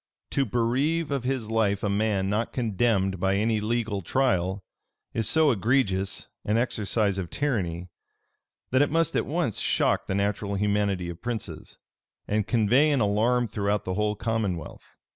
To bereave of his life a man not condemned by any legal trial, is so egregious an exercise of tyranny, that it must at once shock the natural humanity of princes, and convey an alarm throughout the whole commonwealth.